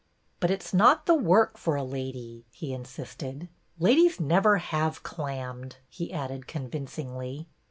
But it 's not the work for a lady," he in sisted. Ladies never have clammed," he added convincingly.